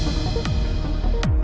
pertamu aku mau